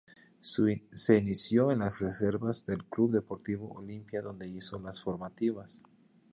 Se inició en las reservas del Club Deportivo Olimpia donde hizo las formativas.